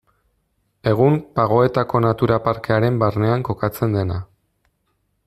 Egun Pagoetako natura parkearen barnean kokatzen dena.